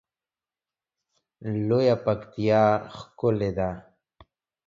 لویه پکتیا ښکلی ده